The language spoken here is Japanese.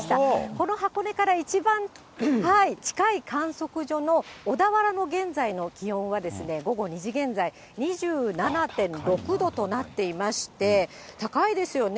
この箱根から一番近い観測所の小田原の現在の気温はですね、午後２時現在、２７．６度となっていまして、高いですよね。